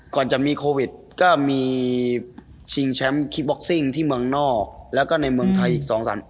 ก่อนจะมีโควิดก็มีชิงแชมป์คิปบ็อกซิ่งที่เมืองนอกแล้วก็ในเมืองไทยอีก๒๓